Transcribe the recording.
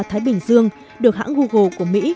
thái bình dương được hãng google của mỹ